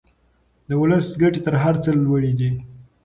د ولس ګټې تر هر څه لوړې دي.